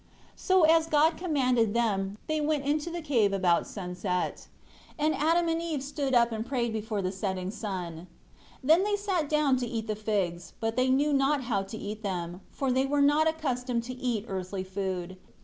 3 So, as God commanded them, they went into the cave about sunset. And Adam and Eve stood up and prayed during the setting sun. 4 Then they sat down to eat the figs; but they knew not how to eat them; for they were not accustomed to eat earthly food.